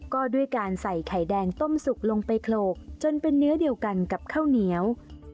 ก็ด้วยการใส่ไข่แดงต้มสุกลงไปโขลกจนเป็นเนื้อเดียวกันกับข้าวเหนียว